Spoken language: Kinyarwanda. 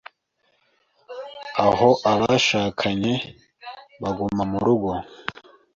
aho abashakanye baguma mu rugo